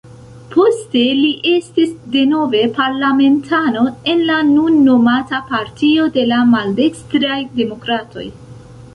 Poste li estis denove parlamentano, en la nun nomata Partio de la Maldekstraj Demokratoj.